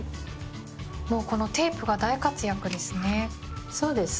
もうこのテープが大活躍ですね。